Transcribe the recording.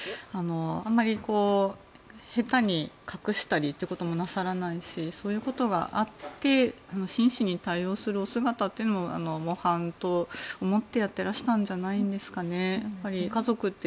あんまり下手に隠したりということもなさらないしそういうことがあって真摯に対応したお姿というのは模範と思ってやっていらしたんじゃないですかね。